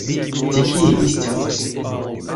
Те кие истямось?